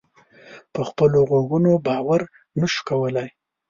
په خپلو غوږونو باور نه شو کولای.